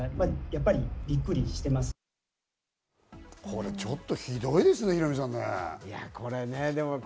これちょっとひどいですね、ヒロミさん。